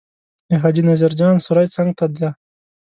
د حاجي نظر جان سرای څنګ ته دی.